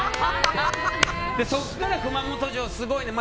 そこから熊本城がすごいって。